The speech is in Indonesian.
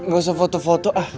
gak usah foto foto